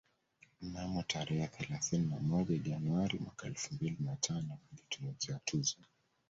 Mnamo tarehe thelathini na moja Januari mwaka elfu mbili na tano alitunukiwa tuzo